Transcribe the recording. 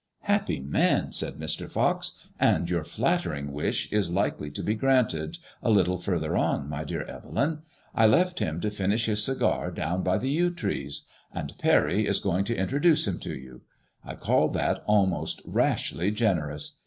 " Happy man !" said Mr. Fox. "And your flattering wish is likely to be granted, a little % Xao MADBMOISBLLB IXB. further on, my dear Evelyn. I left him to finish his cigar down by the yew trees. And Parry is going to introduce him to you. I call that almost rashly generous.